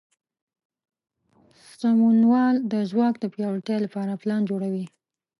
سمونوال د ځواک د پیاوړتیا لپاره پلان جوړوي.